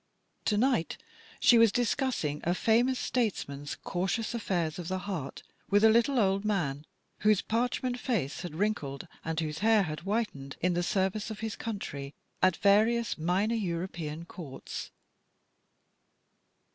To night she was discussing Lord Beaconsfield's cautious affairs of the heart with a little old man, whose parchment face had wrinkled and whose hair had 238 DUNLOP STRANGE MAKES A MISTAKE. 239 whitened in the service of his country at various minor European courts.